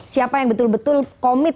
siapa yang betul betul komit